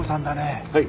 はい。